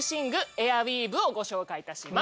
エアウィーヴをご紹介いたします